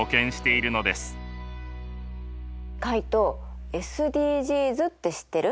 カイトＳＤＧｓって知ってる？